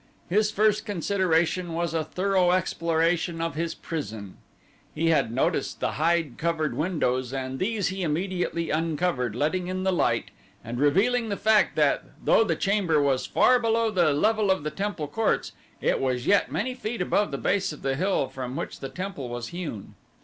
His first consideration was a thorough exploration of his prison. He had noticed the hide covered windows and these he immediately uncovered, letting in the light, and revealing the fact that though the chamber was far below the level of the temple courts it was yet many feet above the base of the hill from which the temple was hewn.